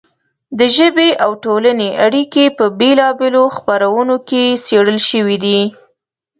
د ژبې او ټولنې اړیکې په بېلا بېلو خپرونو کې څېړل شوې دي.